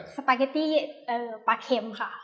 สปาเกตตี้ปลาเข็มค่ะ